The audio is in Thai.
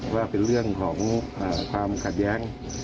ว่าเป็นเรื่องของความขัดแย้ง